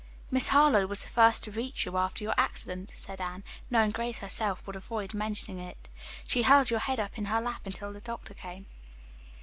"Miss Harlowe was the first to reach you, after your accident," said Anne, knowing that Grace herself would avoid mentioning it. "She held your head in her lap until the doctor came."